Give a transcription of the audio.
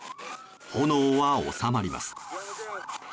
炎は収まります。